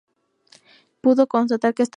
Pudo constatar que estaba en la mayor seguridad.